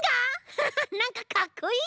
ハハッなんかかっこいい！